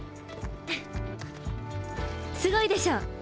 すごいでしょ！